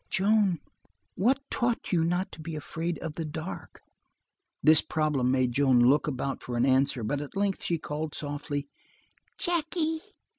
"Joan, what taught you not to be afraid of the dark?" This problem made Joan look about for an answer, but at length she called softly: "Jackie!"